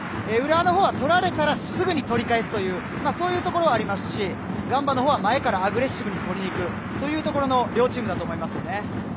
浦和のほうは取られたらすぐに取り返すというそういうところはありますしガンバは前からアグレッシブにとりにいくというところの両チームだと思いますよね。